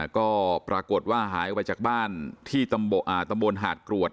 ก็ปรากฏว่าหายออกไปจากบ้านที่ตำบลหาดกรวด